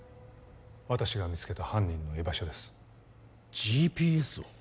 私が見つけた犯人の居場所ですＧＰＳを？